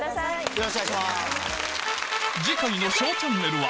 よろしくお願いします。